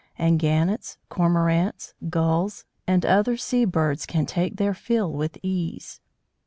And Gannets, Cormorants, Gulls and other sea birds can take their fill with ease.